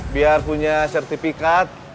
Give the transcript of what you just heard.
biar punya sertifikat